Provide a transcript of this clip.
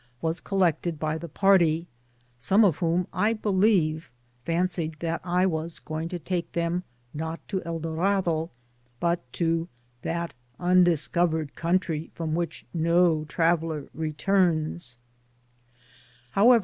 was collected by the party, some of whom, I believe, fancied that I was going to take them, not to £1 Dorado, but to that undiscovered country from which no travel ler returns i^ hpwever, wh^.